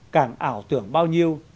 càng ảo tưởng bao nhiêu